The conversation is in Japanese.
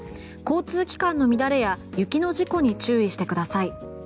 交通機関の乱れや雪の事故に注意してください。